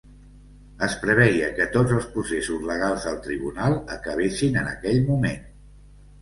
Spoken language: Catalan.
Es preveia que tots els processos legals al tribunal acabessin en aquell moment.